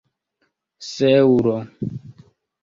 seulo